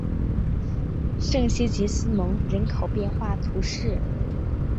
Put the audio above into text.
圣西吉斯蒙人口变化图示